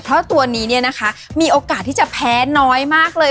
เพราะตัวนี้มีโอกาสที่จะแพ้น้อยมากเลย